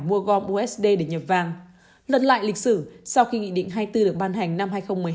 mua gom usd để nhập vàng lần lại lịch sử sau khi nghị định hai mươi bốn được ban hành năm hai nghìn một mươi hai